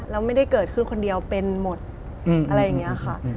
แล้วไม่ได้เกิดขึ้นคนเดียวเป็นหมดอะไรอย่างนี้ค่ะ